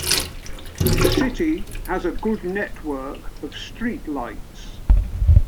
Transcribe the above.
City has a good network of street lights.